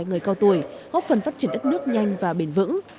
người cao tuổi góp phần phát triển đất nước nhanh và bền vững